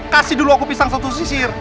kasih dulu aku pisang satu sisir